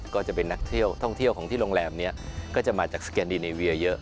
ก็จะเป็นนักเที่ยวท่องเที่ยวของที่โรงแรมนี้ก็จะมาจากสแกนดีเนเวียเยอะ